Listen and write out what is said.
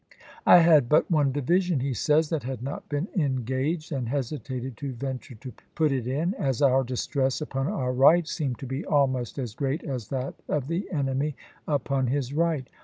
" I had but one division," he says, "that had not been engaged, ^^rIp^®®*' and hesitated to venture to put it in, as our distress voi^xxx., upon our right seemed to be almost as great as p^.%9. ' that of the enemy upon his right."